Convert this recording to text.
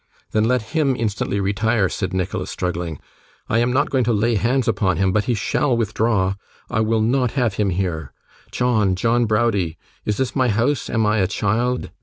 'Then let him instantly retire,' said Nicholas, struggling. 'I am not going to lay hands upon him, but he shall withdraw. I will not have him here. John, John Browdie, is this my house, am I a child?